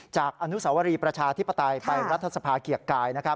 จากอนุสาวรีประชาธิปไตยไปรัฐสภาเกียรติกาย